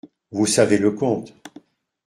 Vous savez le conte.